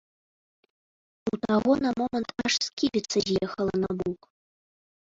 У таго на момант аж сківіца з'ехала набок.